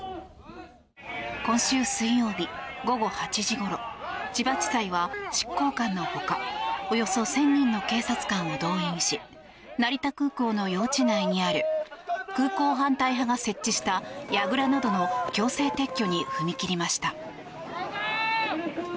今週水曜日午後８時ごろ千葉地裁は執行官のほかおよそ１０００人の警察官を動員し成田空港の用地内にある空港反対派が設置したやぐらなどの強制撤去に踏み切りました。